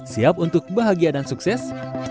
siap untuk bahagia dan sukses